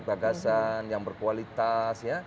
bagasan yang berkualitas